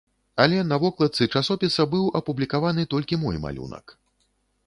Але на вокладцы часопіса быў апублікаваны толькі мой малюнак.